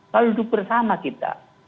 lalu duduk bersama kita